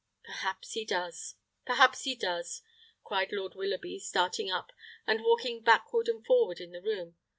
"Perhaps he does, perhaps he does," cried Lord Willoughby, starting up, and walking backward and forward in the room.